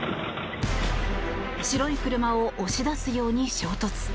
白い車を押し出すように衝突。